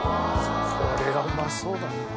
これはうまそうだな。